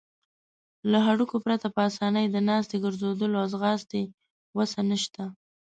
له هډوکو پرته په آسانۍ د ناستې، ګرځیدلو او ځغاستې وسه نشته.